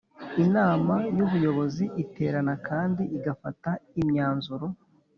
inama y ubuyobozi iterana kandi igafata imyanzuro